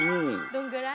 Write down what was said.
どんぐらい？